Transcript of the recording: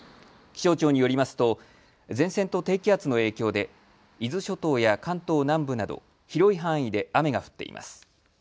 気象庁によりますと前線と低気圧の影響で伊豆諸島や関東南部など広い範囲で雨が降っています。